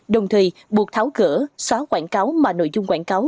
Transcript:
đồng thời buộc tháo cửa xóa quảng cáo mà nội dung quảng cáo